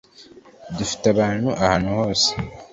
Dufite abantu ahantu hose